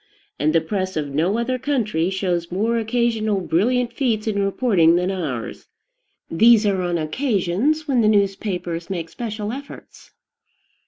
And the press of no other country shows more occasional brilliant feats in reporting than ours: these are on occasions when the newspapers make special efforts.